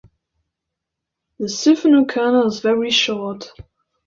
The siphonal canal is very short.